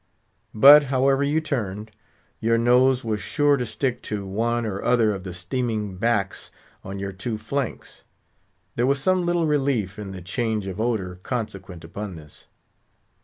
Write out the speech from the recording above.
But, however you turned, your nose was sure to stick to one or other of the steaming backs on your two flanks. There was some little relief in the change of odour consequent upon this.